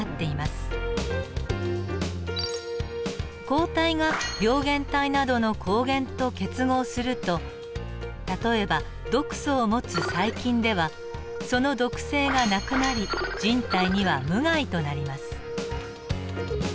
抗体が病原体などの抗原と結合すると例えば毒素を持つ細菌ではその毒性がなくなり人体には無害となります。